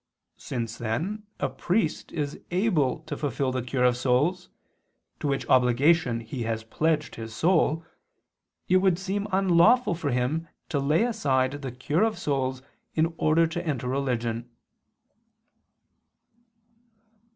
Since then a priest is able to fulfil the cure of souls, to which obligation he has pledged his soul, it would seem unlawful for him to lay aside the cure of souls in order to enter religion.